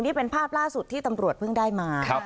นี่เป็นภาพล่าสุดที่ตำรวจเพิ่งได้มา